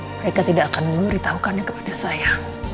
mereka tidak akan memberitahukannya kepada saya